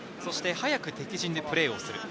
早く敵陣でプレーをする。